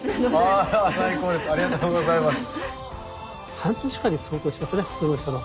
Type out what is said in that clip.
半年間に相当しますね普通の人の。